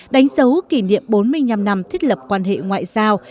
đánh dấu kỷ niệm bốn mươi năm năm thiết lập quan hệ ngoại giao